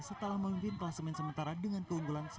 setelah memimpin kelas main sementara dengan keunggulan satu